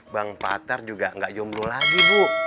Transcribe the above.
bang patar juga gak jomblo lagi bu